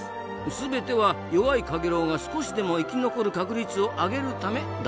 全ては弱いカゲロウが少しでも生き残る確率を上げるためだったんですな。